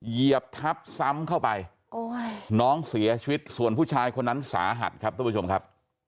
เหยียบทับซ้ำเข้าไปน้องเสียชีวิตส่วนผู้ชายคนนั้นสาหัสครับทุกผู้ชมครับ